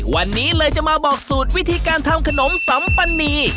วันนี้เลยจะมาบอกสูตรวิธีการทำขนมสัมปณี